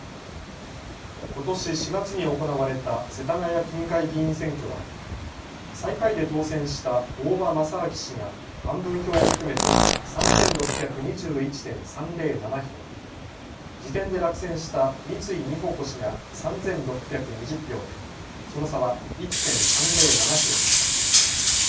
ことし４月に行われた世田谷区議会議員選挙は最下位で当選した大庭正明氏が案分票を含めて３６２１．３０７票、次点で落選した三井美穂子氏が３６２０票でその差は１．３０７票でした。